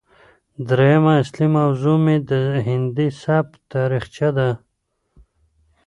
درييمه اصلي موضوع مې د هندي سبک تاريخچه ده